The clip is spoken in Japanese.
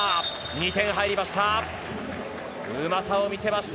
２点入りました。